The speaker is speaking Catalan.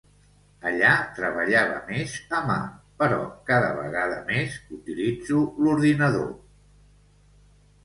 Allà treballava més a mà, però cada vegada més utilitzo l'ordinador.